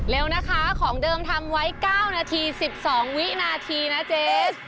เร็วนะคะของเดิมทำไว้๙นาที๑๒วินาทีนะเจส